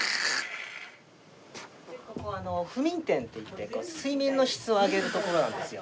ここ不眠点といって睡眠の質を上げる所なんですよ。